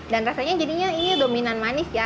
dan rasanya jadinya ini dominan manis ya